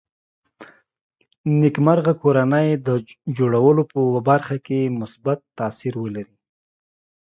نېکمرغه کورنۍ د جوړولو په برخه کې مثبت تاثیر ولري